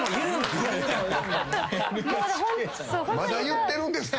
まだ言ってるんですか！？